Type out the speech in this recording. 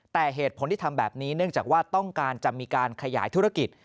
แต่เหตุผลที่ทำแบบนี้เนื่องจากว่าต้องการจะมีการขยายธุรกิจ